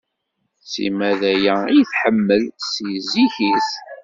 Sima daya i tḥemmel seg zik-is.